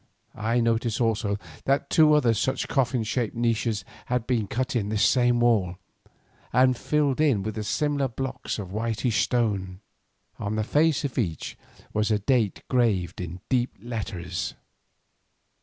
I noticed also that two other such coffin shaped niches had been cut in this same wall, and filled in with similar blocks of whitish stone. On the face of each was a date graved in deep letters.